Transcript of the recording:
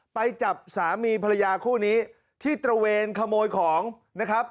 ไปจับสามีภรรยาคู่นี้ที่ตระเวนขโมยของนะครับ